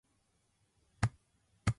お昼ご飯は抜きました。